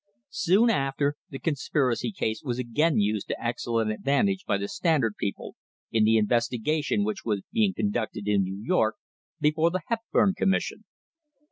Soon after, the conspiracy case was again used to excellent advantage by the Standard people in the investigation which was being conducted in New York before the Hepburn Com mission.